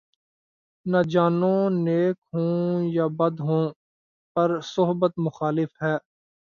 نہ جانوں نیک ہوں یا بد ہوں‘ پر صحبت مخالف ہے